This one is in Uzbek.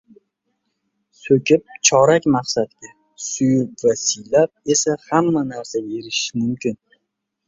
So‘kib chorak maqsadga, suyub va siylab esa hamma narsaga erishish mumkin.